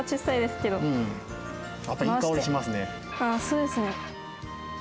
ああそうですね。